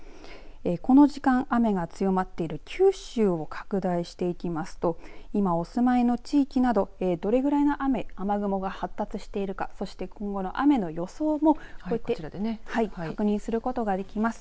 この時間、雨が強まっている九州を拡大していきますと今、お住まいの地域などどれぐらいの雨、雨雲が発達しているかそして今後の雨の予想もこちらで確認することができます。